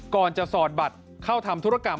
ก่อนจะสอดบัตรเข้าทำธุรกรรม